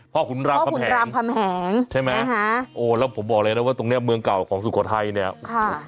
พ่อคุณรับคำแหงใช่ไหมฮะโอ้แล้วผมบอกเลยนะว่าตรงเนี่ยเมืองเก่าของสุโขทัยเนี่ยค่ะ